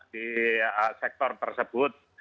di sektor tersebut